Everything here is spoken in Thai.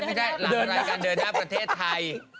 ไม่ใช่หลังรายการเดินหน้าประเทศไทย